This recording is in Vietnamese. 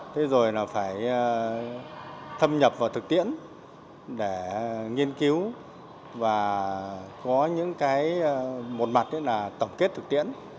thế rồi là phải thâm nhập vào thực tiễn để nghiên cứu và có những cái một mặt là tổng kết thực tiễn